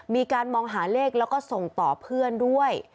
มีการมองหาเลขแล้วก็ส่งต่อเพื่อนด้วย